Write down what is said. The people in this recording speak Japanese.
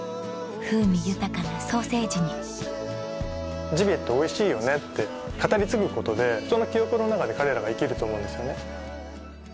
風味豊かなソーセージにジビエっておいしいよねって語り継ぐことで人の記憶の中で彼らが生きると思うんですよね。